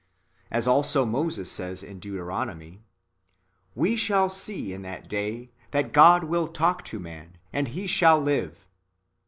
As also Moses says in Deuteronomy, " We shall see in that day that God will talk toman, and he shall live."